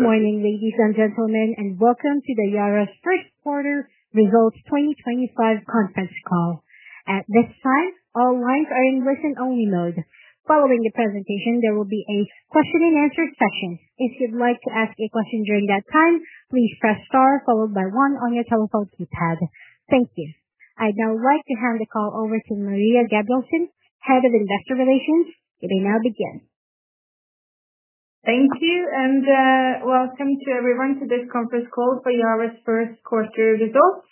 Good morning, ladies and gentlemen, and welcome to Yara International's First Quarter Results 2025 conference call. At this time, all lines are in listen-only mode. Following the presentation, there will be a question-and-answer session. If you'd like to ask a question during that time, please press star followed by one on your telephone keypad. Thank you. I'd now like to hand the call over to Maria Gabrielsen, Head of Investor Relations. It may now begin. Thank you, and welcome to everyone to this conference call for Yara's first quarter results.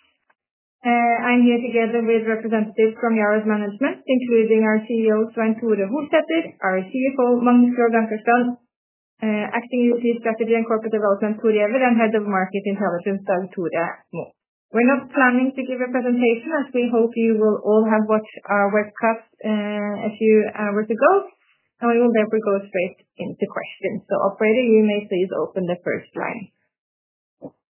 I'm here together with representatives from Yara's management, including our CEO, Svein-Tore Holsether, our CFO, Magnus Krogh Ankarstrand, acting EVP Strategy and Corporate Development, Thor Giæver, and Head of Market Intelligence, Dag Tore Mo. We're not planning to give a presentation, as we hope you will all have watched our webcast a few hours ago, and we will therefore go straight into questions. Operator, you may please open the first line.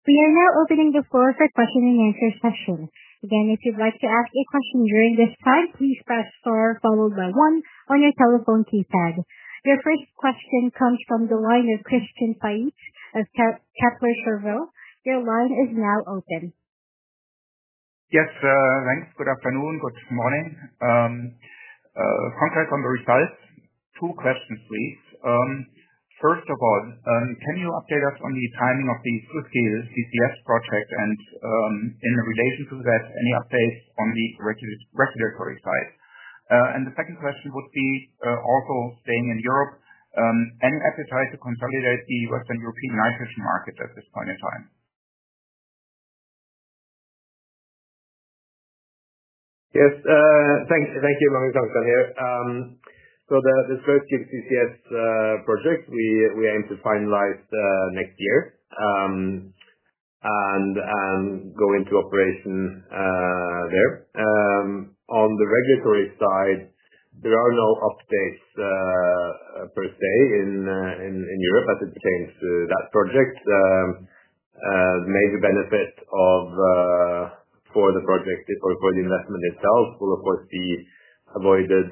We are now opening the floor for question-and-answer sessions. Again, if you'd like to ask a question during this time, please press star followed by one on your telephone keypad. Your first question comes from the line of Christian Faitz of Kepler Cheuvreux. Your line is now open. Yes, thanks. Good afternoon, good morning. Concrete on the results, two questions, please. First of all, can you update us on the timing of the Sluiskil CCS project and, in relation to that, any updates on the regulatory side? The second question would be, also staying in Europe, any appetite to consolidate the Western European nitrogen market at this point in time? Yes, thank you, Magnus Ankarstrand here. The Sluiskil CCS project, we aim to finalize next year and go into operation there. On the regulatory side, there are no updates per se in Europe as it pertains to that project. The major benefit for the project or for the investment itself will, of course, be avoided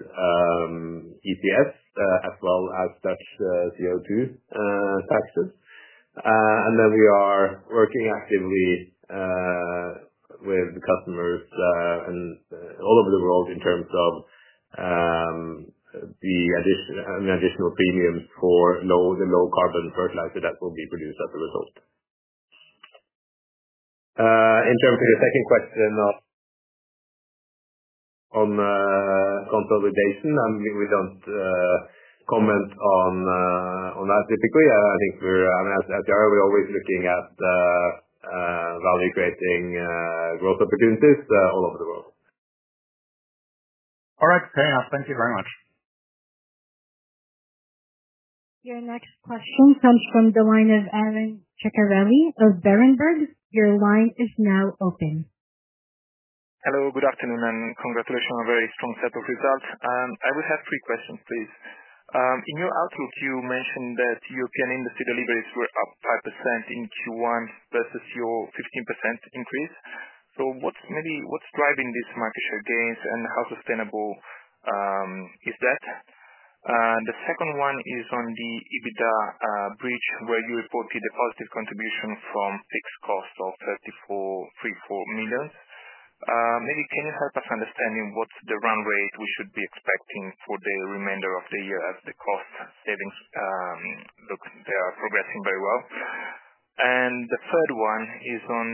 ETS as well as such CO2 taxes. We are working actively with customers all over the world in terms of the additional premiums for the low-carbon fertilizer that will be produced as a result. In terms of the second question on consolidation, we do not comment on that typically. I think, as Yara, we are always looking at value-creating growth opportunities all over the world. All right, thank you very much. Your next question comes from the line of Aron Ceccarelli of BERENBERG. Your line is now open. Hello, good afternoon, and congratulations on a very strong set of results. I would have three questions, please. In your outlook, you mentioned that European industry deliveries were up 5% in Q1 versus your 15% increase. What is driving this market share gains, and how sustainable is that? The second one is on the EBITDA bridge, where you reported a positive contribution from fixed cost of $34 million. Maybe can you help us understand what is the run rate we should be expecting for the remainder of the year as the cost savings look like they are progressing very well? The third one is on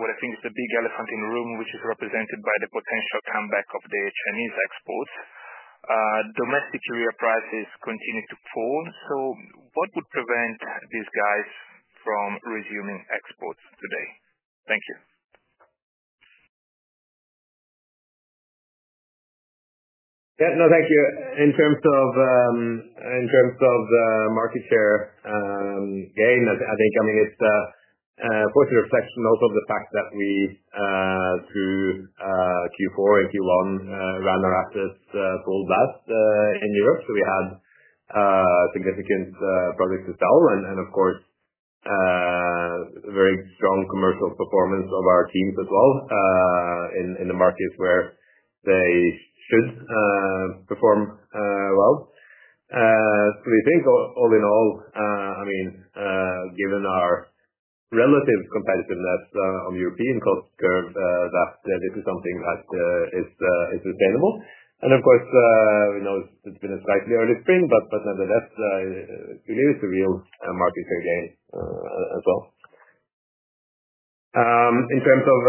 what I think is the big elephant in the room, which is represented by the potential comeback of the Chinese exports. Domestic area prices continue to fall, what would prevent these guys from resuming exports today? Thank you. Yeah, no, thank you. In terms of market share gain, I think it's a positive reflection also of the fact that we, through Q4 and Q1, ran our assets full blast in Europe. We had significant products to sell and, of course, very strong commercial performance of our teams as well in the markets where they should perform well. We think, all in all, given our relative competitiveness on the European cost curve, that this is something that is sustainable. Of course, we know it's been a slightly early spring, but nevertheless, we believe it's a real market share gain as well. In terms of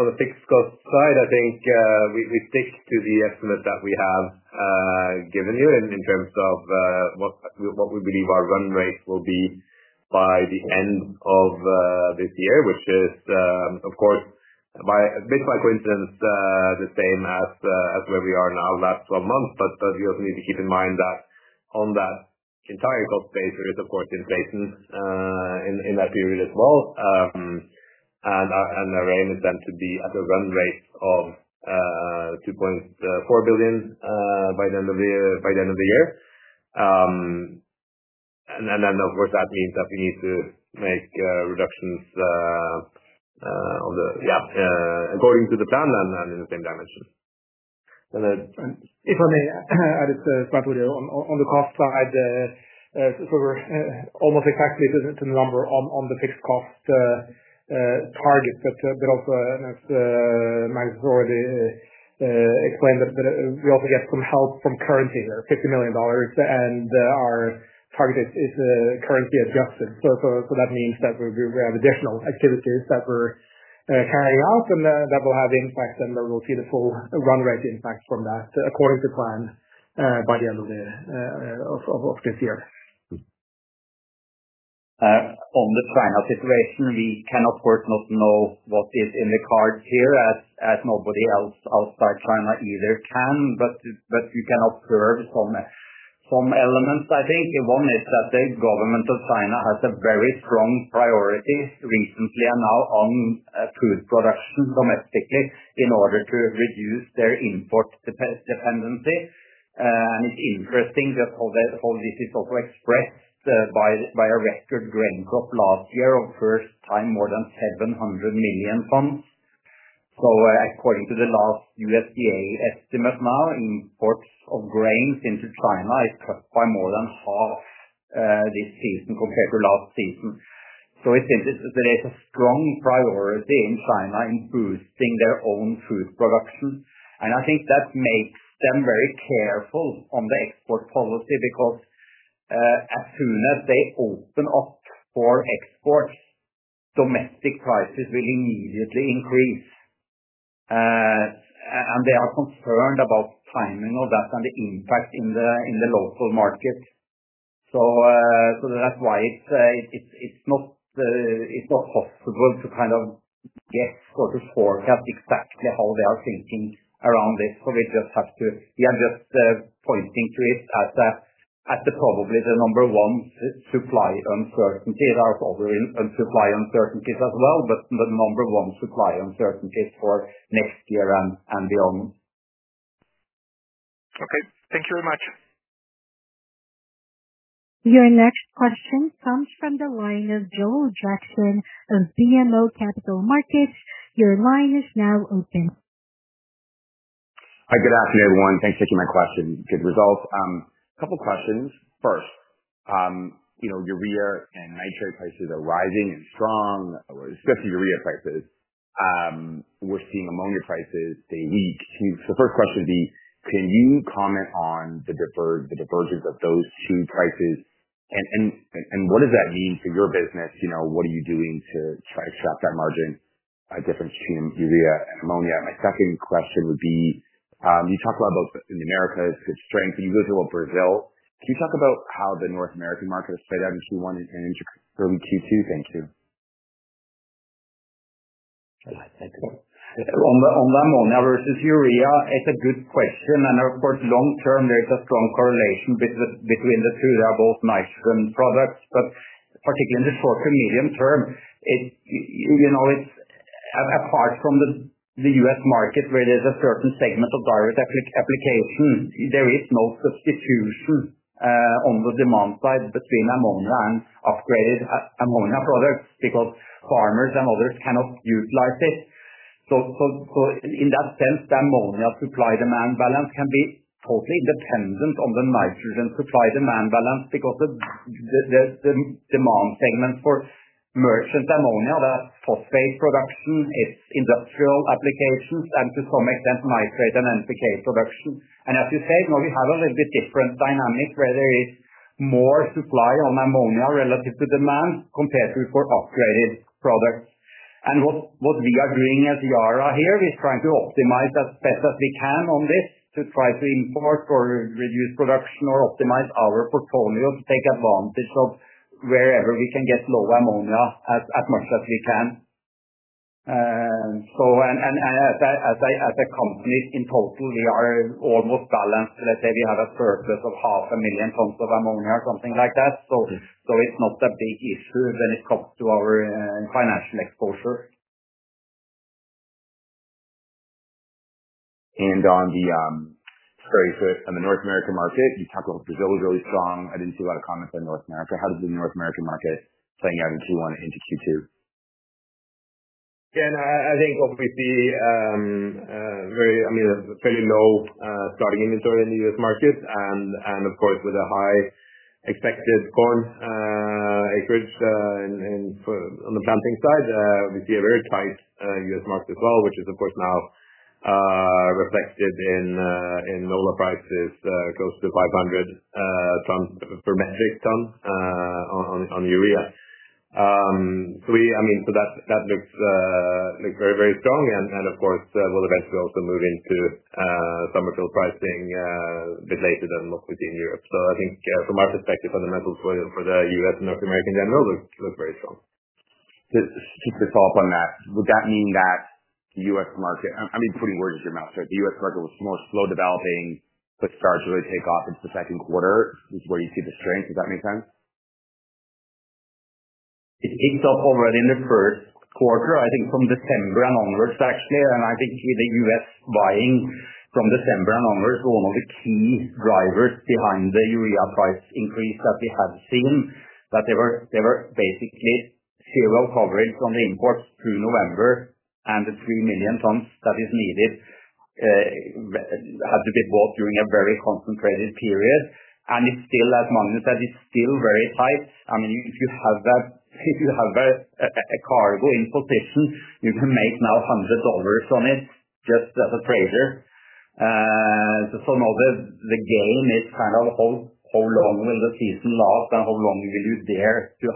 on the fixed cost side, I think we stick to the estimate that we have given you in terms of what we believe our run rate will be by the end of this year, which is, of course, a bit by coincidence the same as where we are now last 12 months. We also need to keep in mind that on that entire cost base, there is, of course, inflation in that period as well. Our aim is then to be at a run rate of $2.4 billion by the end of the year. That means that we need to make reductions on the, yeah, according to the plan and in the same dimension. If I may add slightly on the cost side, we are almost exactly to the number on the fixed cost target, but also, as Magnus has already explained, we also get some help from currency here, $50 million, and our target is currency adjusted. That means that we have additional activities that we are carrying out, and that will have impact, and we will see the full run rate impact from that according to plan by the end of this year. On the China situation, we can, of course, not know what is in the cards here as nobody else outside China either can, but we can observe some elements, I think. One is that the government of China has a very strong priority recently and now on food production domestically in order to reduce their import dependency. It is interesting that all this is also expressed by a record grain crop last year of first time more than 700 million tons. According to the last USDA estimate now, imports of grains into China is cut by more than half this season compared to last season. It seems that there is a strong priority in China in boosting their own food production. I think that makes them very careful on the export policy because as soon as they open up for exports, domestic prices will immediately increase. They are concerned about timing of that and the impact in the local market. That is why it is not possible to kind of guess or to forecast exactly how they are thinking around this. We just have to, we are just pointing to it as probably the number one supply uncertainty. There are probably supply uncertainties as well, but the number one supply uncertainty for next year and beyond. Okay, thank you very much. Your next question comes from the line of Joel Jackson of BMO Capital Markets. Your line is now open. Hi, good afternoon, everyone. Thanks for taking my question. Good results. A couple of questions. First, urea and nitrate prices are rising and strong, especially urea prices. We're seeing ammonia prices stay weak. The first question would be, can you comment on the divergence of those two prices? What does that mean for your business? What are you doing to try to track that margin difference between urea and ammonia? My second question would be, you talked a lot about in America, it's good strength. When you go to Brazil, can you talk about how the North American market has played out in Q1 and into early Q2? Thank you. On that one, now versus urea, it's a good question. Of course, long term, there is a strong correlation between the two. They are both nitrogen products, but particularly in the short to medium term, apart from the U.S. market where there's a certain segment of direct application, there is no substitution on the demand side between ammonia and upgraded ammonia products because farmers and others cannot utilize it. In that sense, the ammonia supply-demand balance can be totally independent of the nitrogen supply-demand balance because the demand segment for merchant ammonia, that's phosphate production, it's industrial applications, and to some extent, nitrate and NPK production. As you said, we have a little bit different dynamic where there is more supply on ammonia relative to demand compared to for upgraded products. What we are doing as Yara here, we're trying to optimize as best as we can on this to try to import or reduce production or optimize our portfolio to take advantage of wherever we can get low ammonia as much as we can. As a company, in total, we are almost balanced. Let's say we have a surplus of 500,000 tons of ammonia or something like that. It is not a big issue when it comes to our financial exposure. On the very short, on the North American market, you talked about Brazil was really strong. I didn't see a lot of comments on North America. How did the North American market playing out in Q1 into Q2? Yeah, I think what we see is very low starting inventory in the U.S. market. Of course, with a high expected corn acreage on the planting side, we see a very tight U.S. market as well, which is, of course, now reflected in NOLA prices close to $500 per metric ton on urea. That looks very, very strong. Of course, we will eventually also move into summer field pricing a bit later than what we see in Europe. I think from our perspective, fundamentals for the U.S. and North America in general look very strong. To top on that, would that mean that the U.S. market, I mean, putting words in your mouth, the U.S. market was more slow developing, but starts to really take off into the second quarter is where you see the strength? Does that make sense? It picked up already in the first quarter, I think from December and onwards, actually. I think the U.S. buying from December and onwards was one of the key drivers behind the urea price increase that we have seen, that there were basically zero coverage on the imports through November and the 3 million tons that is needed had to be bought during a very concentrated period. It is still, as Magnus said, very tight. I mean, if you have a cargo in position, you can make now $100 on it just as a trader. Now the game is kind of how long will the season last and how long will you dare to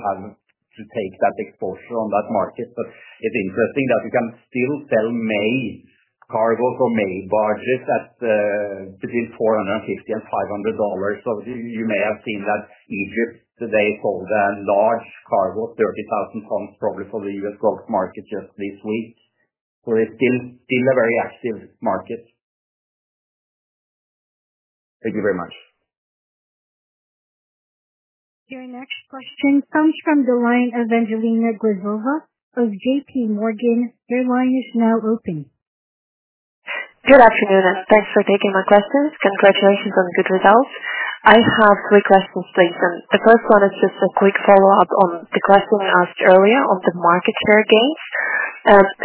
take that exposure on that market? It is interesting that you can still sell May cargoes or May barges between $450 and $500. You may have seen that Egypt, they sold a large cargo of 30,000 tons probably for the U.S. Gulf market just this week. It is still a very active market. Thank you very much. Your next question comes from the line of Angelina Glazova of JPMorgan. Their line is now open. Good afternoon, and thanks for taking my questions. Congratulations on the good results. I have three questions, please. The first one is just a quick follow-up on the question you asked earlier on the market share gains.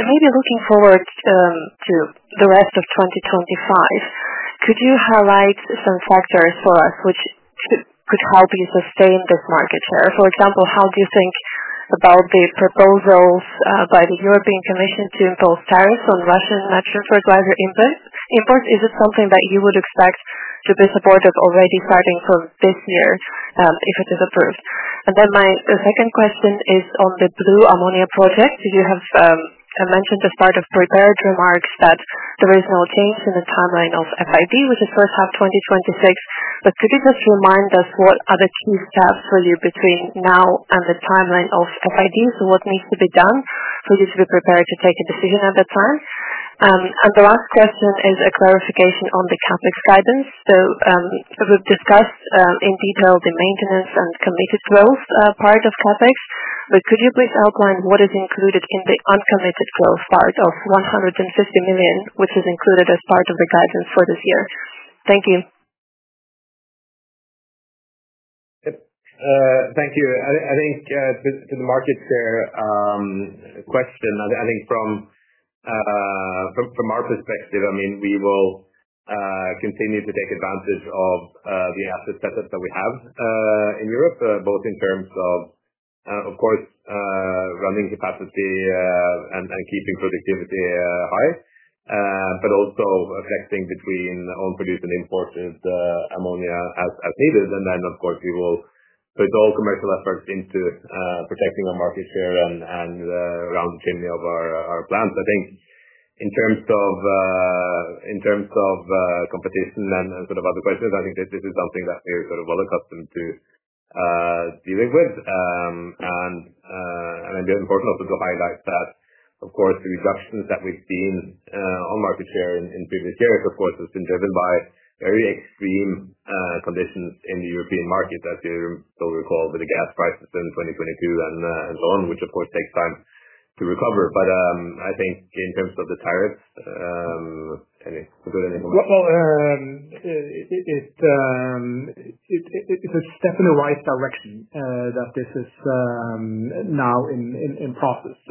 Maybe looking forward to the rest of 2025, could you highlight some factors for us which could help you sustain this market share? For example, how do you think about the proposals by the European Commission to impose tariffs on Russian nitrogen fertilizer imports? Is it something that you would expect to be supported already starting from this year if it is approved? My second question is on the blue ammonia project. You have mentioned as part of prepared remarks that there is no change in the timeline of FID, which is first half 2026. Could you just remind us what are the key steps for you between now and the timeline of FIDs? What needs to be done for you to be prepared to take a decision at that time? The last question is a clarification on the CapEx guidance. We have discussed in detail the maintenance and committed growth part of CapEx, but could you please outline what is included in the uncommitted growth part of $150 million, which is included as part of the guidance for this year? Thank you. Thank you. I think to the market share question, I think from our perspective, I mean, we will continue to take advantage of the asset setup that we have in Europe, both in terms of, of course, running capacity and keeping productivity high, but also flexing between own-produced and imported ammonia as needed. Of course, we will put all commercial efforts into protecting our market share and around the chimney of our plants. I think in terms of competition and sort of other questions, I think this is something that we're sort of well accustomed to dealing with. I think it's important also to highlight that, of course, the reductions that we've seen on market share in previous years have been driven by very extreme conditions in the European market, as you'll recall, with the gas prices in 2022 and so on, which, of course, takes time to recover. I think in terms of the tariffs, any good information? It is a step in the right direction that this is now in process.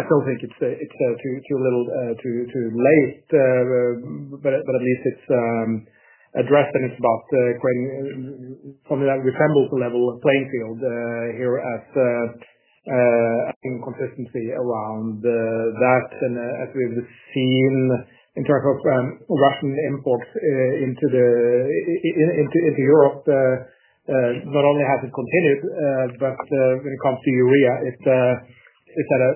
I still think it is too late, but at least it is addressed, and it is about something that resembles the level of playing field here as inconsistency around that. As we have seen in terms of Russian imports into Europe, not only has it continued, but when it comes to urea, it is at a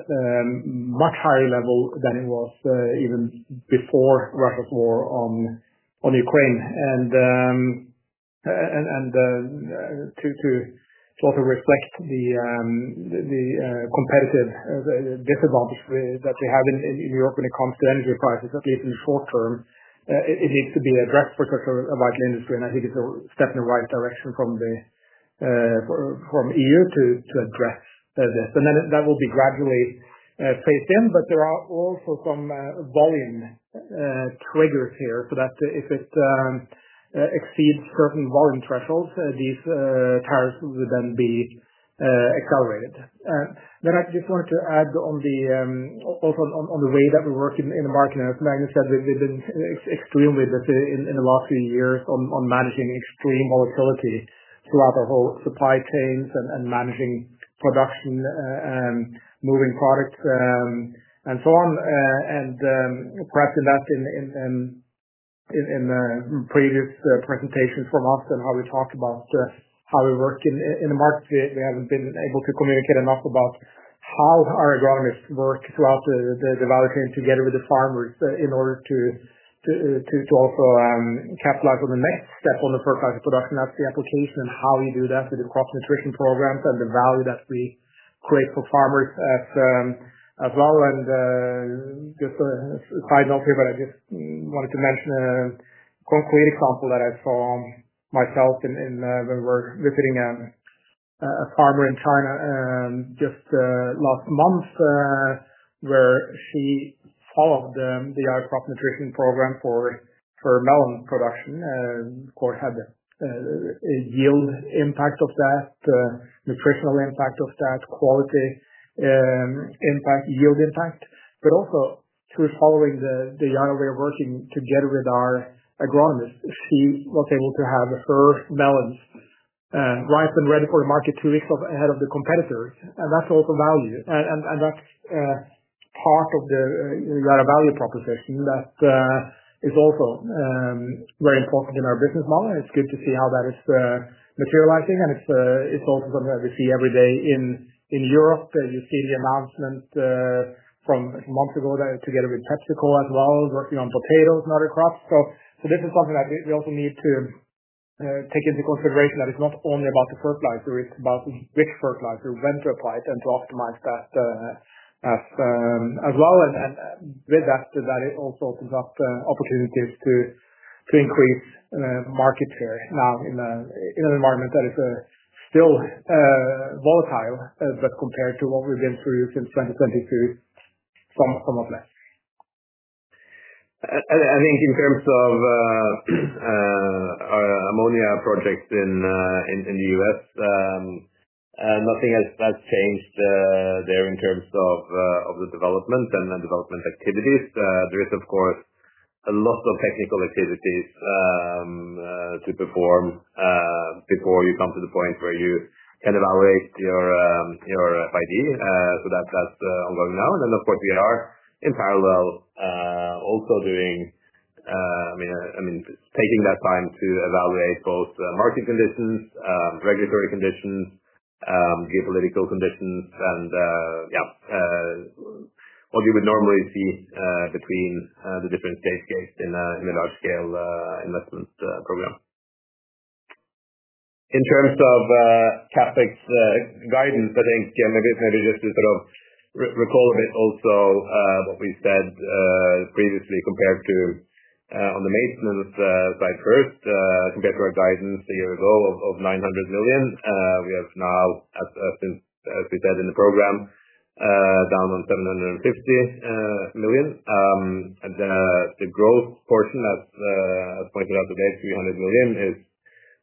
much higher level than it was even before Russia's war on Ukraine. To also reflect the competitive disadvantage that we have in Europe when it comes to energy prices, at least in the short term, it needs to be addressed for such a vital industry. I think it is a step in the right direction from the EU to address this. That will be gradually phased in, but there are also some volume triggers here so that if it exceeds certain volume thresholds, these tariffs would then be accelerated. I just wanted to add on the way that we work in the market. As Magnus said, we have been extremely busy in the last few years on managing extreme volatility throughout our whole supply chains and managing production, moving products, and so on. Perhaps in that, in previous presentations from us and how we talked about how we work in the market, we have not been able to communicate enough about how our agronomists work throughout the value chain together with the farmers in order to also capitalize on the next step on the fertilizer production. That is the application and how you do that with the crop nutrition programs and the value that we create for farmers as well. Just a side note here, but I just wanted to mention a concrete example that I saw myself when we were visiting a farmer in China just last month where she followed the Yara Crop Nutrition Program for her melon production. Of course, had a yield impact of that, nutritional impact of that, quality impact, yield impact. Also, through following the Yara way of working together with our agronomists, she was able to have her melons ripe and ready for the market two weeks ahead of the competitors. That is also value. That is part of the Yara value proposition that is also very important in our business model. It is good to see how that is materializing. It is also something that we see every day in Europe. You see the announcement from months ago together with PepsiCo as well, working on potatoes and other crops. This is something that we also need to take into consideration, that it's not only about the fertilizer, it's about which fertilizer, when to apply it, and to optimize that as well. With that, that also opens up opportunities to increase market share now in an environment that is still volatile, but compared to what we've been through since 2022, somewhat less. I think in terms of our ammonia projects in the U.S., nothing has changed there in terms of the development and development activities. There is, of course, a lot of technical activities to perform before you come to the point where you can evaluate your FID. That is ongoing now. Of course, we are in parallel also doing, I mean, taking that time to evaluate both market conditions, regulatory conditions, geopolitical conditions, and yeah, what you would normally see between the different stage gates in a large-scale investment program. In terms of CapEx guidance, I think maybe just to sort of recall a bit also what we said previously compared to on the maintenance side first, compared to our guidance a year ago of $900 million. We have now, as we said in the program, down on $750 million. The growth portion, as pointed out today, $300 million, is,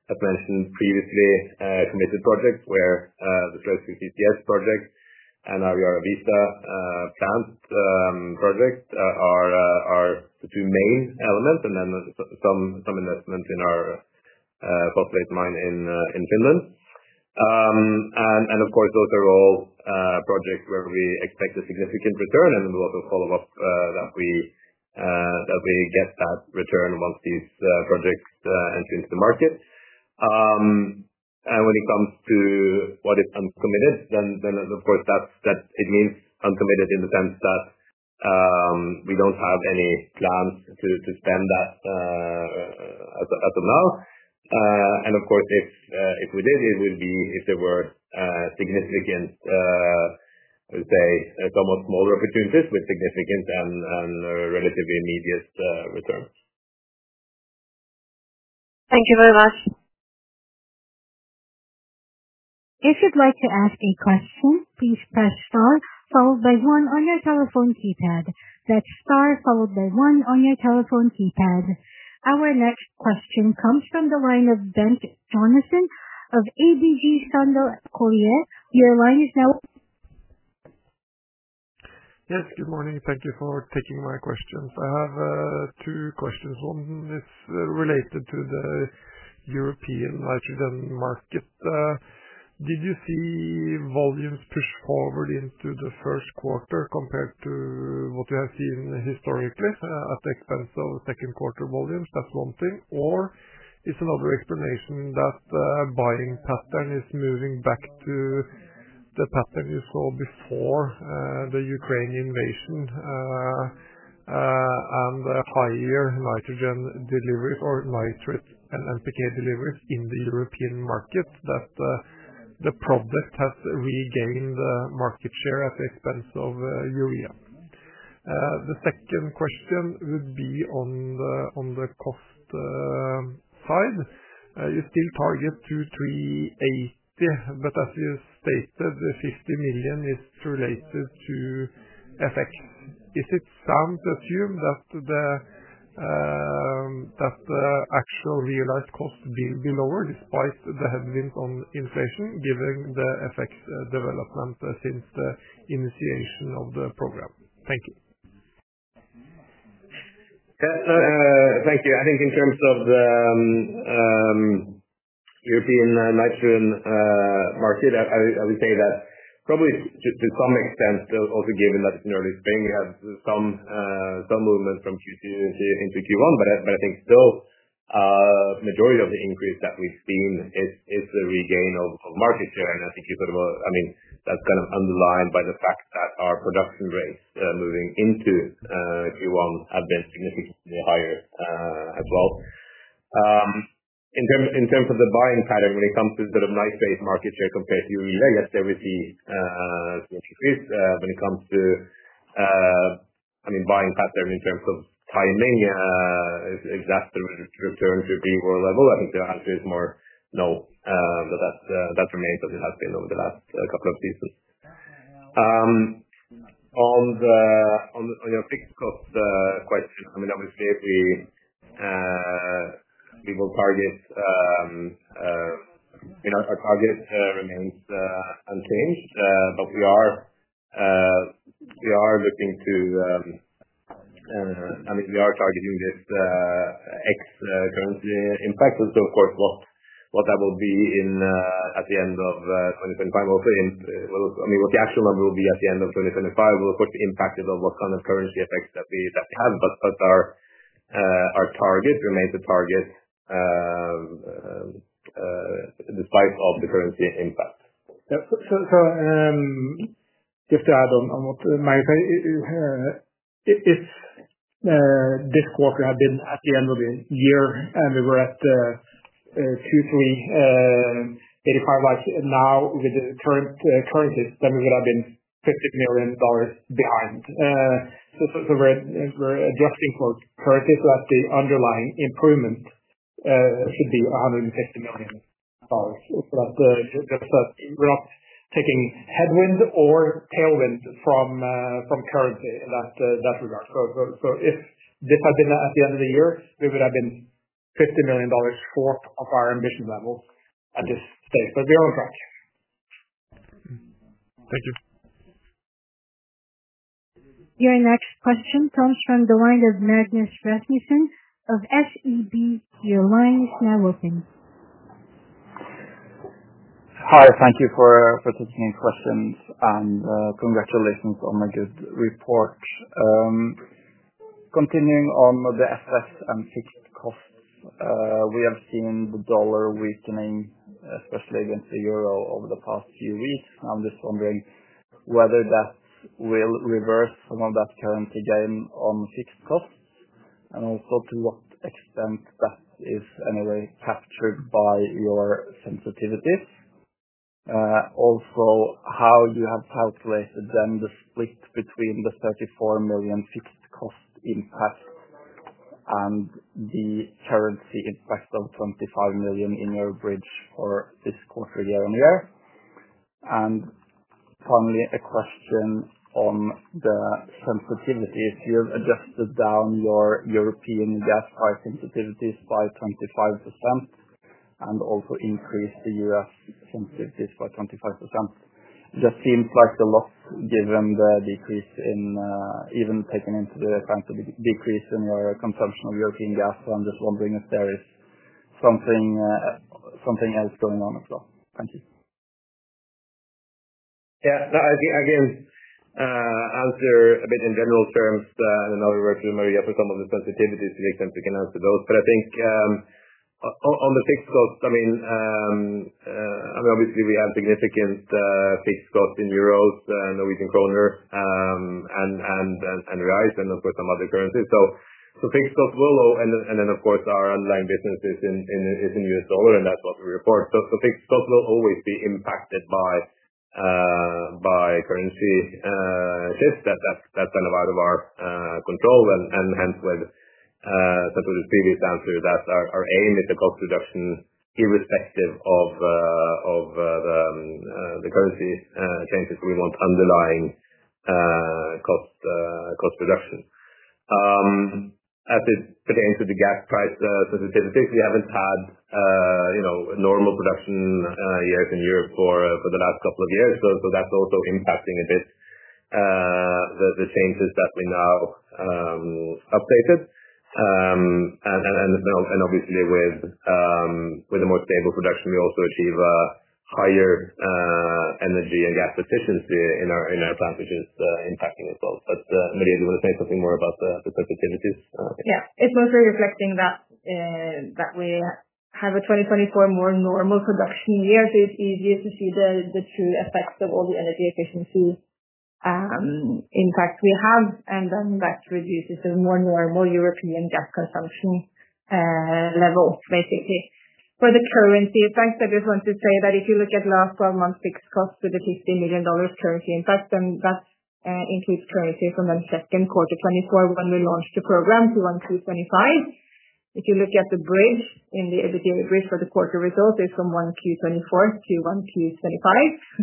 as mentioned previously, committed projects where the Sluiskil CCS project and our Yara Vista plant project are the two main elements, and then some investment in our phosphate mine in Finland. Of course, those are all projects where we expect a significant return, and we will also follow up that we get that return once these projects enter into the market. When it comes to what is uncommitted, of course, it means uncommitted in the sense that we do not have any plans to spend that as of now. Of course, if we did, it would be if there were significant, I would say, somewhat smaller opportunities with significant and relatively immediate returns. Thank you very much. If you'd like to ask a question, please press star followed by one on your telephone keypad. That's star followed by one on your telephone keypad. Our next question comes from the line of Bengt Jonassen of ABG Sundal Collier. Your line is now. Yes, good morning. Thank you for taking my questions. I have two questions. One is related to the European nitrogen market. Did you see volumes push forward into the first quarter compared to what you have seen historically at the expense of second quarter volumes? That's one thing. Is another explanation that buying pattern is moving back to the pattern you saw before the Ukraine invasion and higher nitrogen deliveries or nitrate and NPK deliveries in the European market, that the product has regained market share at the expense of urea? The second question would be on the cost side. You still target $2,380, but as you stated, the $50 million is related to FX. Is it sound to assume that the actual realized cost will be lower despite the headwinds on inflation, given the FX development since the initiation of the program? Thank you. Thank you. I think in terms of the European nitrogen market, I would say that probably to some extent, also given that it's in early spring, we had some movement from Q2 into Q1, but I think still majority of the increase that we've seen is the regain of market share. I think you sort of, I mean, that's kind of underlined by the fact that our production rates moving into Q1 have been significantly higher as well. In terms of the buying pattern, when it comes to sort of nitrate market share compared to urea, yes, there is the increase. When it comes to, I mean, buying pattern in terms of timing, is that the return to pre-war level? I think the answer is more no, but that remains as it has been over the last couple of seasons. On your fixed cost question, I mean, obviously, we will target, I mean, our target remains unchanged, but we are looking to, I mean, we are targeting this X currency impact. Of course, what that will be at the end of 2025, also, I mean, what the actual number will be at the end of 2025 will, of course, be impacted on what kind of currency effects that we have, but our target remains a target despite all the currency impact. Just to add on what Magnus said, if this quarter had been at the end of the year and we were at $2,385 like now with the current currencies, then we would have been $50 million behind. We are adjusting for currency so that the underlying improvement should be $150 million. Just that we are not taking headwinds or tailwinds from currency in that regard. If this had been at the end of the year, we would have been $50 million short of our ambition level at this stage, but we are on track. Thank you. Your next question comes from the line of Magnus Rasmussen of SEB. Your line is now open. Hi, thank you for taking questions, and congratulations on a good report. Continuing on the assets and fixed costs, we have seen the dollar weakening, especially against the euro over the past few weeks. I'm just wondering whether that will reverse some of that currency gain on fixed costs and also to what extent that is anyway captured by your sensitivities. Also, how you have calculated then the split between the $34 million fixed cost impact and the currency impact of $25 million in your bridge for this quarter year on year. Finally, a question on the sensitivity. If you've adjusted down your European gas price sensitivities by 25% and also increased the U.S. sensitivities by 25%, that seems like a lot given the decrease in, even taken into account the decrease in your consumption of European gas. I'm just wondering if there is something else going on as well. Thank you. Yeah. Again, answer a bit in general terms and another word to Maria for some of the sensitivities to the extent we can answer those. I think on the fixed cost, I mean, obviously, we have significant fixed costs in euros, Norwegian krone, and reais, and of course, some other currencies. Fixed costs will, and then of course, our underlying business is in U.S. dollar, and that's what we report. Fixed costs will always be impacted by currency shifts. That's kind of out of our control. Hence, with some of the previous answers, our aim is a cost reduction irrespective of the currency changes. We want underlying cost reduction. As it pertains to the gas price sensitivities, we haven't had normal production years in Europe for the last couple of years. That's also impacting a bit the changes that we now updated. Obviously, with a more stable production, we also achieve a higher energy and gas efficiency in our plant, which is impacting as well. Maria, do you want to say something more about the sensitivities? Yeah. It is mostly reflecting that we have a 2024 more normal production year, so it is easier to see the true effects of all the energy efficiency impact we have. That reduces the more normal European gas consumption level, basically. For the currency effects, I just want to say that if you look at last 12 months' fixed costs with a $50 million currency impact, then that includes currency from the second quarter 2024 when we launched the program to 1Q 2025. If you look at the bridge in the EBITDA bridge for the quarter results, it is from 1Q 2024 to 1Q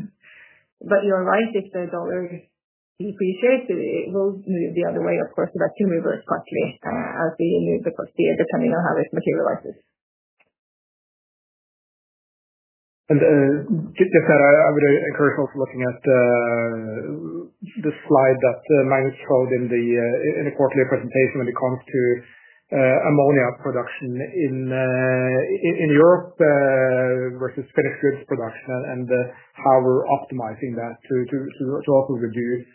2025. You are right, if the dollar depreciates, it will move the other way, of course, so that can reverse quickly as we move the cost year, depending on how it materializes. I would encourage also looking at the slide that Magnus showed in the quarterly presentation when it comes to ammonia production in Europe versus finished goods production and how we are optimizing that to also reduce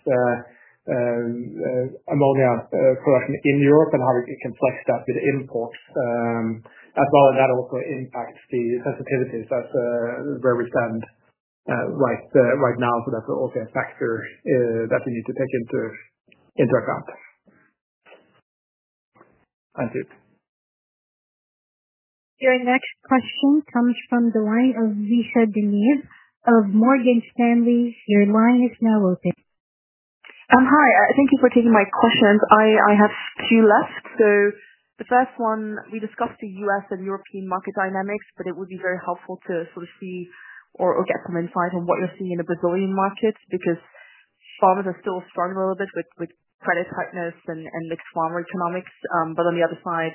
ammonia production in Europe and how we can flex that with imports as well. That also impacts the sensitivities where we stand right now. That is also a factor that we need to take into account. Thank you. Your next question comes from the line of Lisa De Neve of Morgan Stanley. Your line is now open. Hi. Thank you for taking my questions. I have two left. The first one, we discussed the U.S. and European market dynamics, but it would be very helpful to sort of see or get some insight on what you're seeing in the Brazilian market because farmers are still struggling a little bit with credit tightness and mixed farmer economics. On the other side,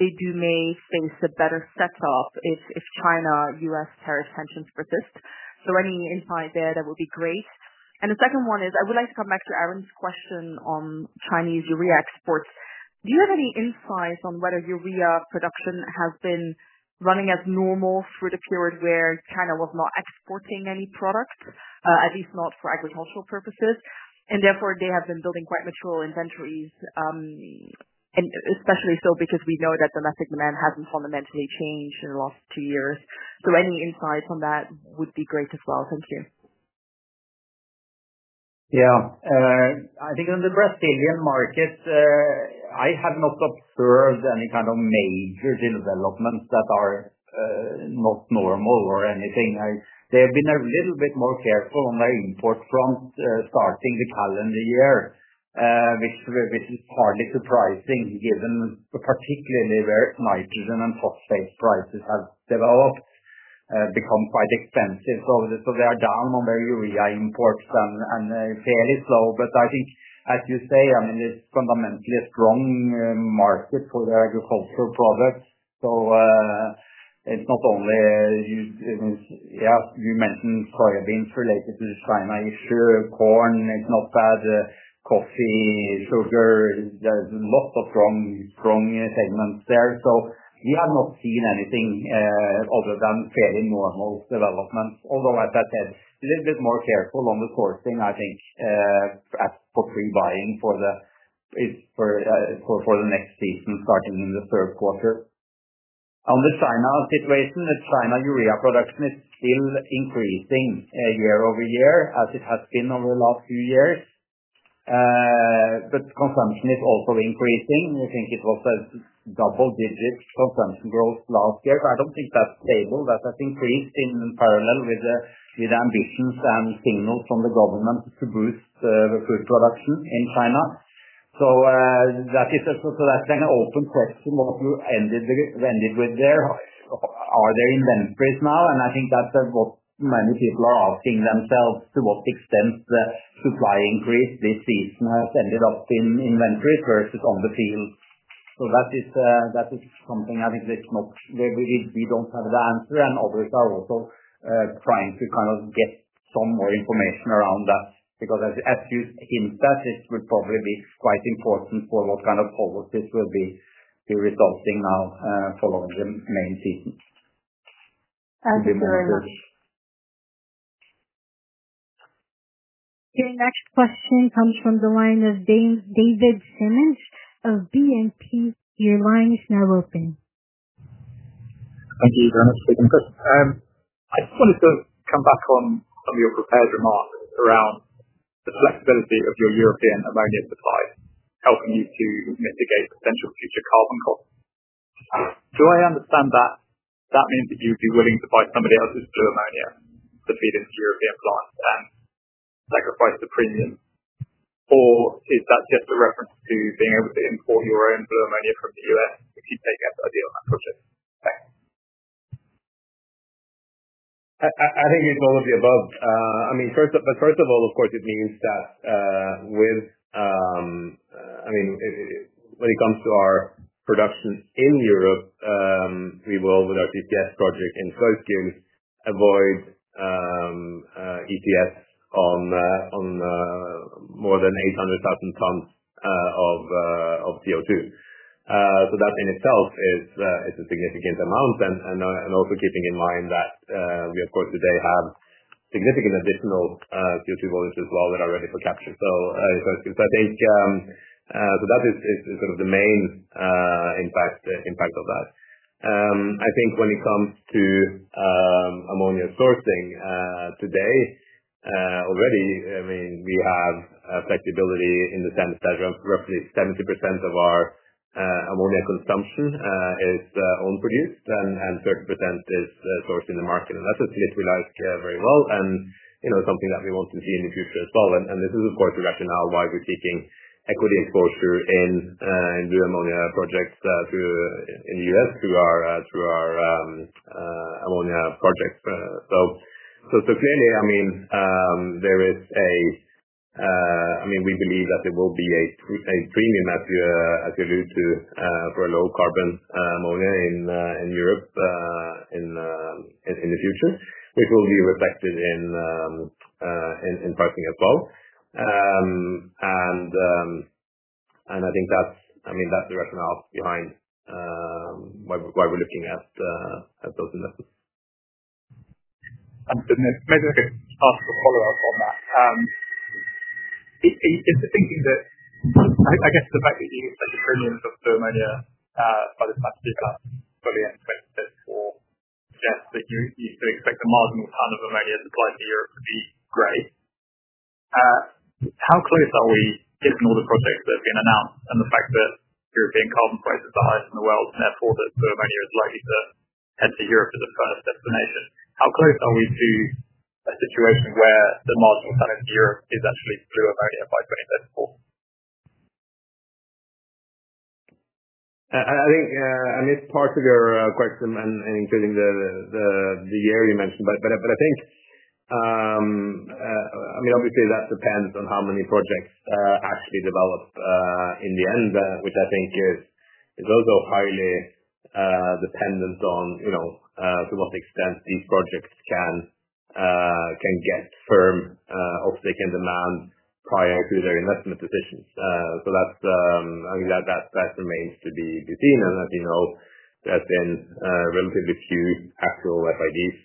they do may face a better setup if China, U.S. tariff tensions persist. Any insight there, that would be great. The second one is I would like to come back to Aron's question on Chinese urea exports. Do you have any insights on whether urea production has been running as normal through the period where China was not exporting any product, at least not for agricultural purposes? They have been building quite mature inventories, especially so because we know that domestic demand has not fundamentally changed in the last two years. Any insights on that would be great as well. Thank you. Yeah. I think on the Brazilian market, I have not observed any kind of major developments that are not normal or anything. They have been a little bit more careful on their import front starting the calendar year, which is hardly surprising given particularly where nitrogen and phosphate prices have developed, become quite expensive. They are down on their urea imports and fairly slow. I think, as you say, I mean, it's fundamentally a strong market for their agricultural products. It's not only, yeah, you mentioned soybeans related to the China issue, corn, it's not bad, coffee, sugar. There are lots of strong segments there. We have not seen anything other than fairly normal developments. Although, as I said, a little bit more careful on the sourcing, I think, for pre-buying for the next season starting in the third quarter. On the China situation, the China urea production is still increasing year over year as it has been over the last few years. Consumption is also increasing. I think it was a double-digit consumption growth last year. I do not think that is stable. That has increased in parallel with the ambitions and signals from the government to boost food production in China. That is an open question what we ended with there. Are there inventories now? I think that is what many people are asking themselves, to what extent the supply increase this season has ended up in inventories versus on the field. That is something I think we do not have the answer. Others are also trying to kind of get some more information around that because, as you hint at, this would probably be quite important for what kind of policies will be resulting now following the main season. Thank you very much. Your next question comes from the line of David Simmons of BNP Paribas. Your line is now open. Thank you very much for taking the question. I just wanted to come back on your prepared remarks around the flexibility of your European ammonia supply, helping you to mitigate potential future carbon costs. Do I understand that that means that you'd be willing to buy somebody else's blue ammonia to feed into European plants and sacrifice the premium? Or is that just a reference to being able to import your own blue ammonia from the U.S., which you'd take as ideal in that project? Thanks. I think it's all of the above. I mean, first of all, of course, it means that with, I mean, when it comes to our production in Europe, we will, with our CCS project in Sluiskil, avoid ETS on more than 800,000 tons of CO2. That in itself is a significant amount. Also keeping in mind that we, of course, today have significant additional CO2 volumes as well that are ready for capture. I think that is sort of the main, in fact, impact of that. I think when it comes to ammonia sourcing today, already, I mean, we have flexibility in the sense that roughly 70% of our ammonia consumption is own-produced and 30% is sourced in the market. That's a split we like very well and something that we want to see in the future as well. This is, of course, the rationale why we're seeking equity exposure in blue ammonia projects in the U.S. through our ammonia projects. Clearly, I mean, there is a, I mean, we believe that there will be a premium attribute for low-carbon ammonia in Europe in the future, which will be reflected in pricing as well. I think that's, I mean, that's the rationale behind why we're looking at those investments. Maybe I could ask a follow-up on that. Is the thinking that, I guess, the fact that you expect a premium for ammonia by the time of 2026 suggests that you expect a marginal ton of ammonia supplied to Europe to be grey? How close are we given all the projects that have been announced and the fact that European carbon prices are highest in the world and therefore that blue ammonia is likely to head to Europe as a first destination? How close are we to a situation where the marginal ton in Europe is actually blue ammonia by 2034? I think, I mean, it's part of your question and including the year you mentioned. I think, I mean, obviously, that depends on how many projects actually develop in the end, which I think is also highly dependent on to what extent these projects can get firm or they can demand prior to their investment decisions. I think that remains to be seen. As you know, there have been relatively few actual FIDs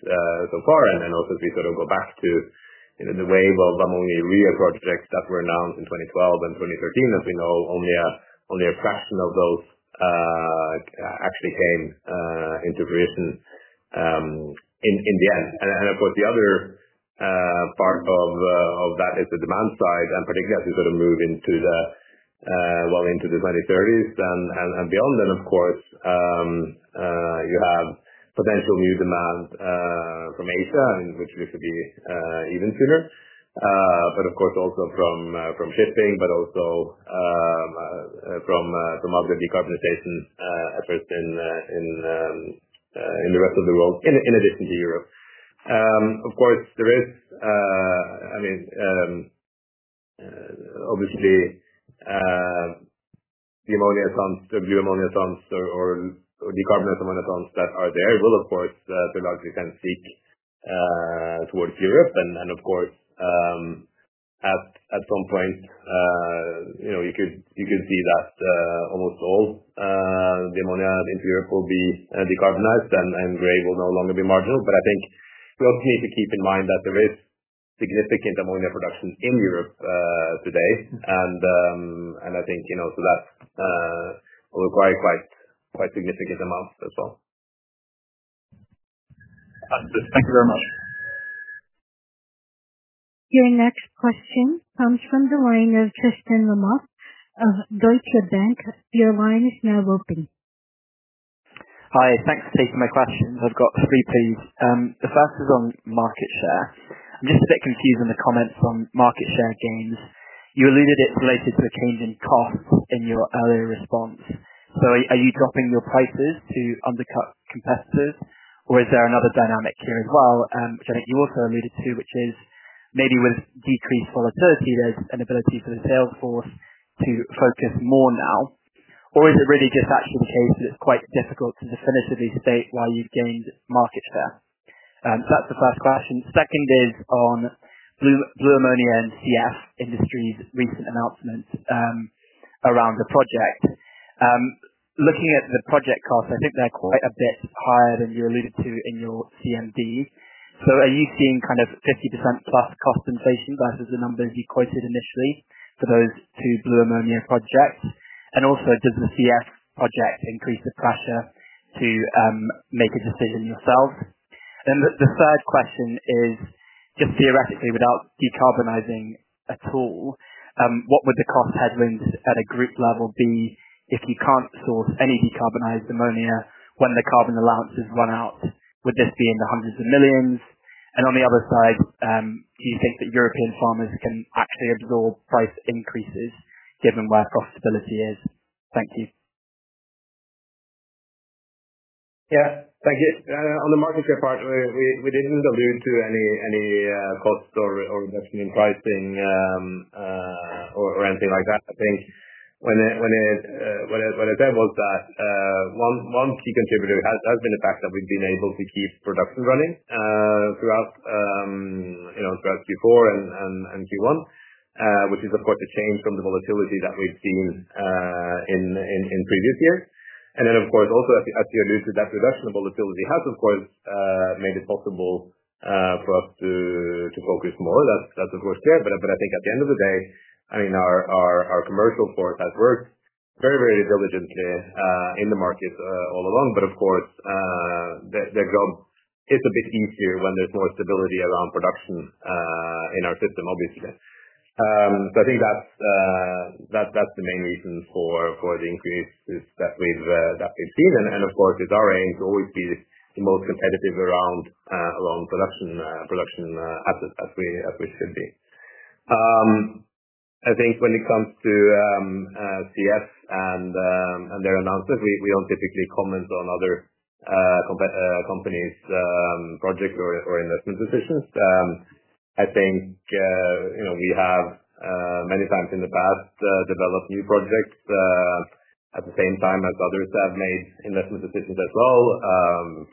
so far. If we sort of go back to the wave of ammonia urea projects that were announced in 2012 and 2013, as we know, only a fraction of those actually came into fruition in the end. Of course, the other part of that is the demand side. Particularly as we sort of move into the 2030s and beyond, of course, you have potential new demand from Asia, which looks to be even sooner. Of course, also from shipping, but also from other decarbonization efforts in the rest of the world in addition to Europe. Of course, there is, I mean, obviously, the ammonia tons, the blue ammonia tons or decarbonized ammonia tons that are there will, of course, to a large extent seek towards Europe. Of course, at some point, you could see that almost all the ammonia into Europe will be decarbonized and grey will no longer be marginal. I think we also need to keep in mind that there is significant ammonia production in Europe today. I think so that will require quite significant amounts as well. Thank you very much. Your next question comes from the line of Tristan Lamotte of Deutsche Bank. Your line is now open. Hi. Thanks for taking my questions. I've got three, please. The first is on market share. I'm just a bit confused on the comments on market share gains. You alluded it's related to a change in costs in your earlier response. Are you dropping your prices to undercut competitors? Is there another dynamic here as well, which I think you also alluded to, which is maybe with decreased volatility, there's an ability for the salesforce to focus more now? Is it really just actually the case that it's quite difficult to definitively state why you've gained market share? That's the first question. Second is on blue ammonia and CF Industries' recent announcements around the project. Looking at the project costs, I think they're quite a bit higher than you alluded to in your CMD. Are you seeing kind of 50% plus cost inflation versus the numbers you quoted initially for those two blue ammonia projects? Also, does the CF project increase the pressure to make a decision yourself? The third question is just theoretically, without decarbonizing at all, what would the cost headwinds at a group level be if you can't source any decarbonized ammonia when the carbon allowances run out? Would this be in the hundreds of millions? On the other side, do you think that European farmers can actually absorb price increases given where profitability is? Thank you. Yeah. Thank you. On the market share part, we did not allude to any costs or reduction in pricing or anything like that. I think what I said was that one key contributor has been the fact that we have been able to keep production running throughout Q4 and Q1, which is, of course, a change from the volatility that we have seen in previous years. Of course, also as you alluded to, that reduction of volatility has, of course, made it possible for us to focus more. That is, of course, clear. I think at the end of the day, I mean, our commercial force has worked very, very diligently in the markets all along. Of course, their job is a bit easier when there is more stability around production in our system, obviously. I think that is the main reason for the increase that we have seen. Of course, it's our aim to always be the most competitive around production assets as we should be. I think when it comes to CF and their announcements, we don't typically comment on other companies' projects or investment decisions. I think we have many times in the past developed new projects at the same time as others have made investment decisions as well.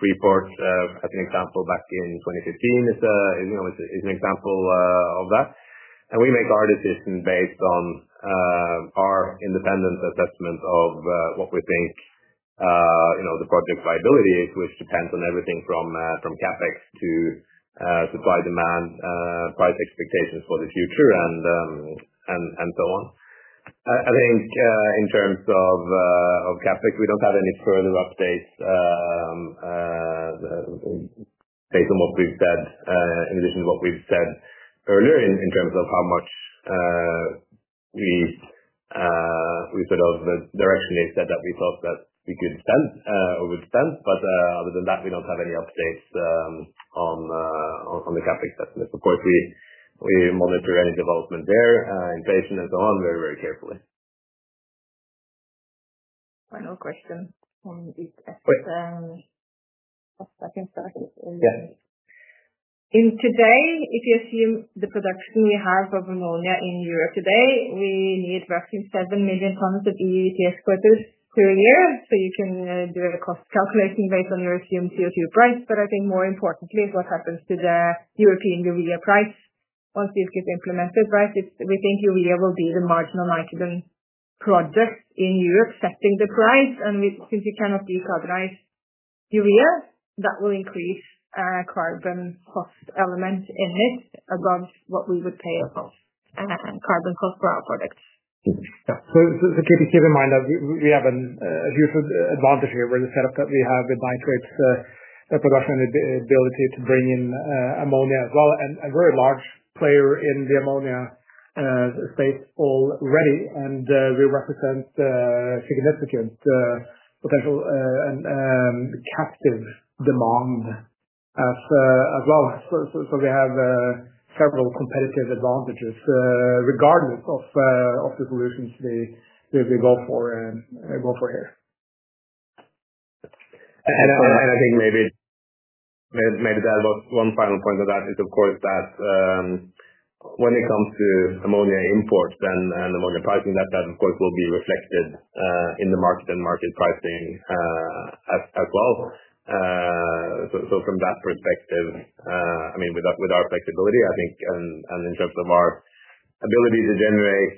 Freeport, as an example, back in 2015 is an example of that. We make our decision based on our independent assessment of what we think the project's viability is, which depends on everything from CapEx to supply demand, price expectations for the future, and so on. I think in terms of CapEx, we don't have any further updates based on what we've said in addition to what we've said earlier in terms of how much we sort of the direction is that we thought that we could spend or would spend. Other than that, we don't have any updates on the CapEx estimates. Of course, we monitor any development there, inflation, and so on very, very carefully. Final question on these efforts. I think that is. Yeah. In today, if you assume the production we have of ammonia in Europe today, we need roughly 7 million tons of ETS quotas per year. You can do a cost calculation based on your assumed CO2 price. I think more importantly is what happens to the European urea price once these get implemented, right? We think urea will be the marginal nitrogen product in Europe setting the price. Since you cannot decarbonize urea, that will increase carbon cost element in it above what we would pay of carbon cost for our products. Yeah. Keep in mind that we have a huge advantage here with the setup that we have with Nitrate's production and the ability to bring in ammonia as well. We're a large player in the ammonia space already. We represent significant potential and captive demand as well. We have several competitive advantages regardless of the solutions we go for here. I think maybe that was one final point of that is, of course, that when it comes to ammonia imports and ammonia pricing, that, of course, will be reflected in the market and market pricing as well. From that perspective, I mean, with our flexibility, I think, and in terms of our ability to generate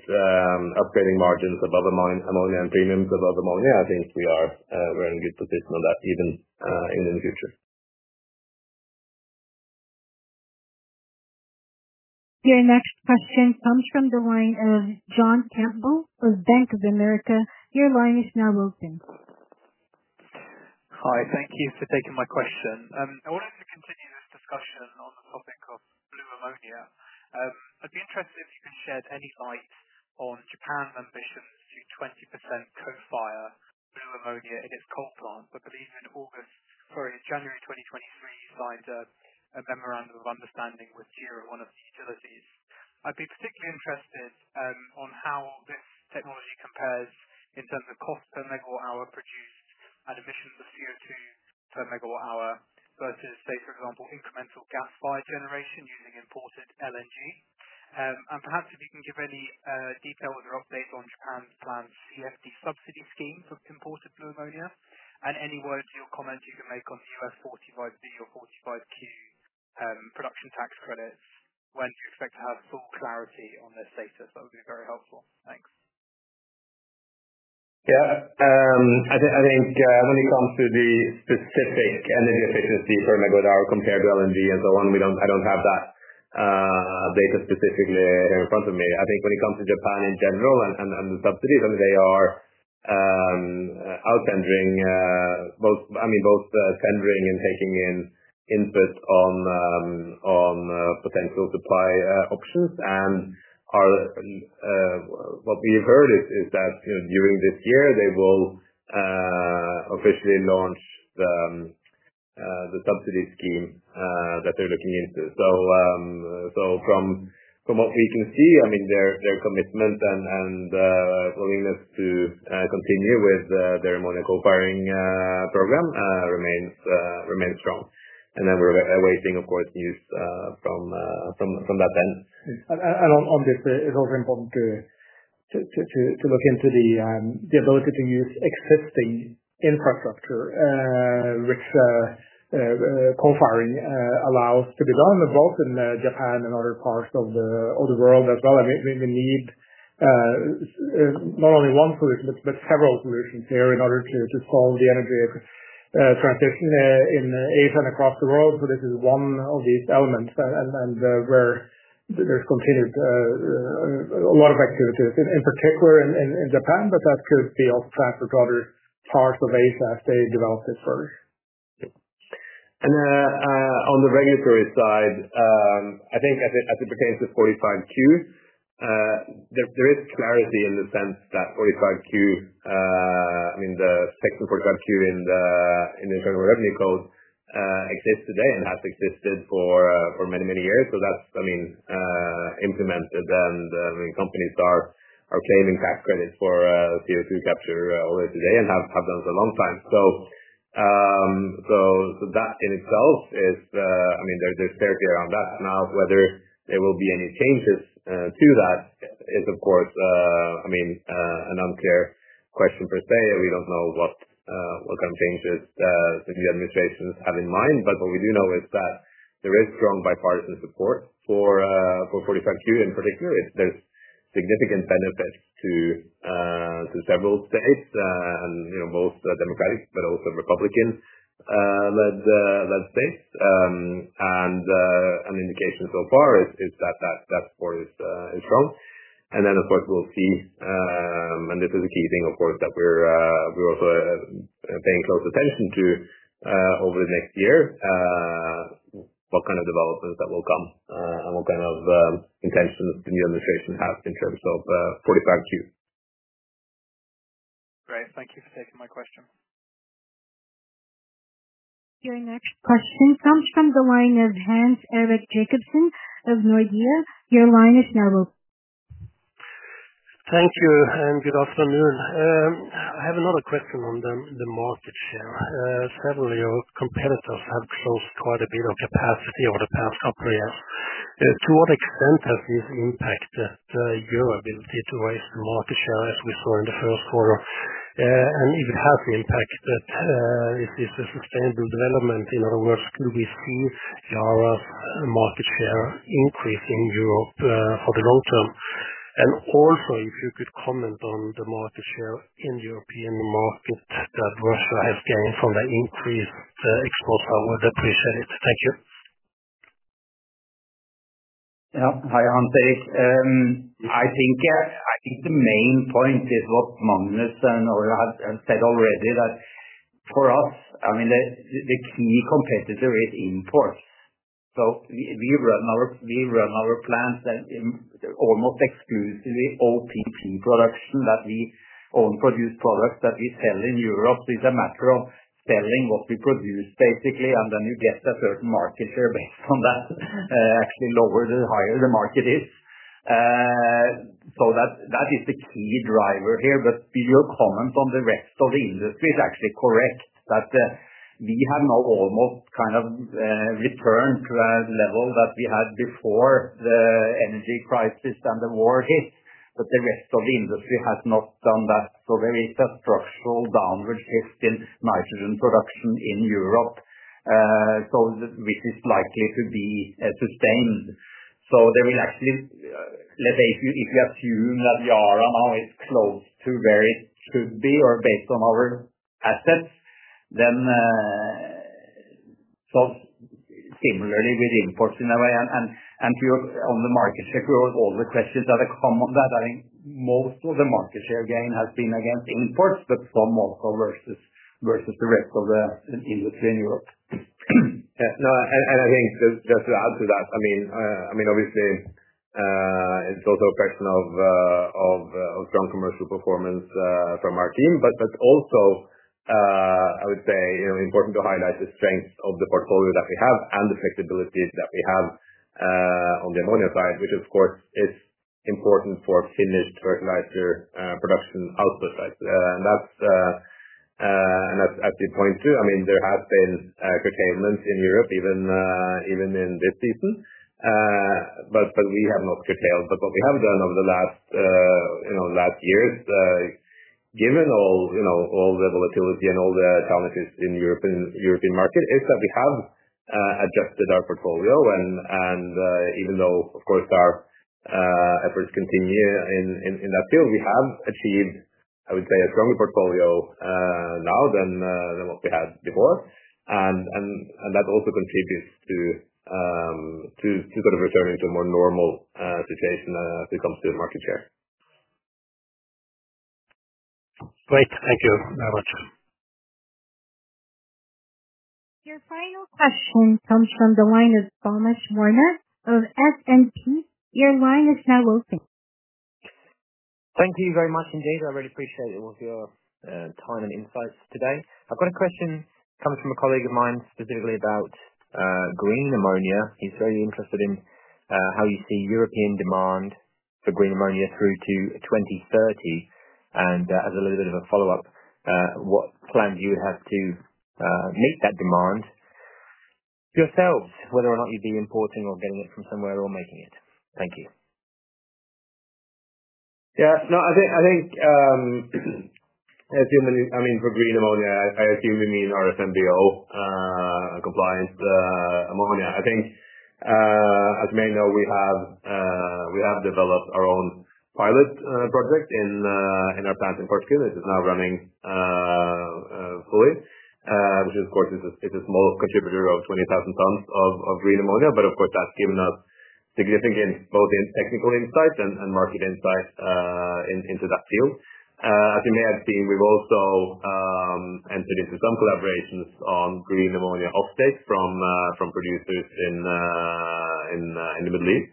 upgrading margins above ammonia and premiums above ammonia, I think we are in a good position on that even in the future. Your next question comes from the line of John Campbell of Bank of America. Your line is now open. Hi. Thank you for taking my question. I wanted to continue this discussion on the topic of blue ammonia. I'd be interested if you can shed any light on Japan's ambitions to 20% co-fire blue ammonia in its coal plant. I believe in August, sorry, in January 2023, you signed a memorandum of understanding with JERA, one of the securities. I'd be particularly interested in how this technology compares in terms of cost per megawatt hour produced and emissions of CO2 per megawatt hour versus, say, for example, incremental gas fire generation using imported LNG. Perhaps if you can give any details or updates on Japan's planned CFD subsidy scheme for imported blue ammonia. Any words or comments you can make on the U.S. 45B or 45Q production tax credits, when do you expect to have full clarity on their status? That would be very helpful. Thanks. Yeah. I think when it comes to the specific energy efficiency per megawatt hour compared to LNG and so on, I do not have that data specifically here in front of me. I think when it comes to Japan in general and the subsidies, I mean, they are outtendering, I mean, both tendering and taking in input on potential supply options. What we have heard is that during this year, they will officially launch the subsidy scheme that they are looking into. From what we can see, I mean, their commitment and willingness to continue with their ammonia co-firing program remains strong. We are awaiting, of course, news from that end. On this, it's also important to look into the ability to use existing infrastructure, which co-firing allows to be done both in Japan and other parts of the world as well. I mean, we need not only one solution, but several solutions here in order to solve the energy transition in Asia and across the world. This is one of these elements. There is continued a lot of activity, in particular in Japan, but that could be also transferred to other parts of Asia as they develop this further. On the regulatory side, I think as it pertains to 45Q, there is clarity in the sense that 45Q, I mean, the section 45Q in the Internal Revenue Code exists today and has existed for many, many years. That is, I mean, implemented. I mean, companies are claiming tax credits for CO2 capture already today and have done so a long time. That in itself is, I mean, there is clarity around that. Now, whether there will be any changes to that is, of course, an unclear question per se. We do not know what kind of changes the new administrations have in mind. What we do know is that there is strong bipartisan support for 45Q in particular. There are significant benefits to several states, both Democratic but also Republican-led states. An indication so far is that that support is strong. Of course, we'll see. This is a key thing, of course, that we're also paying close attention to over the next year, what kind of developments will come and what kind of intentions the new administration has in terms of 45Q. Great. Thank you for taking my question. Your next question comes from the line of Hans-Erik Jacobsen of Nordea. Your line is now open. Thank you. And good afternoon. I have another question on the market share. Several of your competitors have closed quite a bit of capacity over the past couple of years. To what extent has this impacted your ability to raise the market share as we saw in the first quarter? And if it has an impact, is this a sustainable development? In other words, could we see Yara's market share increase in Europe for the long term? And also, if you could comment on the market share in the European market that Russia has gained from the increased exports that were depreciated. Thank you. Yeah. Hi, Ansik. I think the main point is what Magnus and Ole had said already, that for us, I mean, the key competitor is imports. We run our plants almost exclusively OPP production, that we own produced products that we sell in Europe. It is a matter of selling what we produce, basically. You get a certain market share based on that, actually lower the higher the market is. That is the key driver here. Your comment on the rest of the industry is actually correct, that we have now almost kind of returned to a level that we had before the energy crisis and the war hit. The rest of the industry has not done that. There is a structural downward shift in nitrogen production in Europe, which is likely to be sustained. There will actually, let's say, if you assume that Yara now is close to where it should be or based on our assets, then similarly with imports in a way. On the market share, all the questions that have come on that, I think most of the market share gain has been against imports, but some also versus the rest of the industry in Europe. Yeah. I think just to add to that, I mean, obviously, it's also a question of strong commercial performance from our team. I would say important to highlight the strength of the portfolio that we have and the flexibility that we have on the ammonia side, which, of course, is important for finished fertilizer production output, right? As you point to, I mean, there has been curtailments in Europe even in this season. We have not curtailed. What we have done over the last years, given all the volatility and all the challenges in the European market, is that we have adjusted our portfolio. Even though, of course, our efforts continue in that field, we have achieved, I would say, a stronger portfolio now than what we had before. That also contributes to sort of returning to a more normal situation as it comes to the market share. Great. Thank you very much. Your final question comes from the line of Thomas Warner of S&P Global. Your line is now open. Thank you very much, indeed. I really appreciate it with your time and insights today. I have got a question coming from a colleague of mine specifically about green ammonia. He is very interested in how you see European demand for green ammonia through to 2030. As a little bit of a follow-up, what plans you would have to meet that demand yourselves, whether or not you would be importing or getting it from somewhere or making it? Thank you. Yeah. No, I think, I mean, for green ammonia, I assume you mean RFNBO-compliant ammonia. I think, as you may know, we have developed our own pilot project in our plant in Porsgrunn. This is now running fully, which, of course, is a small contributor of 20,000 tons of green ammonia. Of course, that has given us significant both technical insight and market insight into that field. As you may have seen, we have also entered into some collaborations on green ammonia offtake from producers in the Middle East,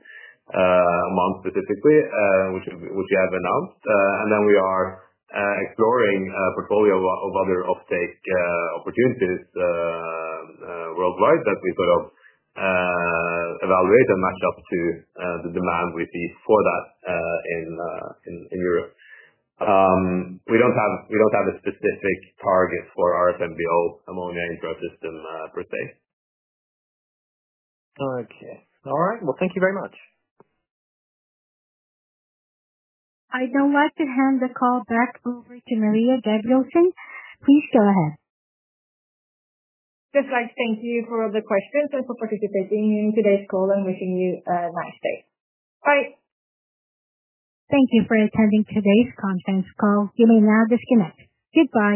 Oman specifically, which we have announced. We are exploring a portfolio of other offtake opportunities worldwide that we sort of evaluate and match up to the demand we see for that in Europe. We do not have a specific target for RFNBO ammonia infrastructure per se. Okay. All right. Thank you very much. I'd now like to hand the call back over to Maria Gabrielsen. Please go ahead. Just like thank you for all the questions and for participating in today's call and wishing you a nice day. Bye. Thank you for attending today's conference call. You may now disconnect. Goodbye.